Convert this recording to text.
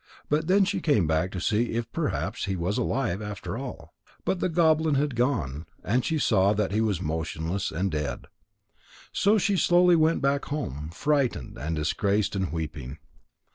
But then she came back to see if perhaps he was alive after all. But the goblin had gone, and she saw that he was motionless and dead. So she slowly went back home, frightened and disgraced and weeping.